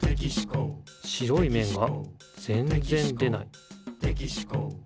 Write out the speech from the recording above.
白いめんがぜんぜん出ない。